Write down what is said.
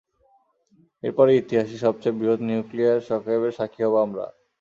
এরপরই ইতিহাসে সবচেয়ে বৃহৎ নিউক্লিয়ার শকওয়েভের স্বাক্ষী হবো আমরা!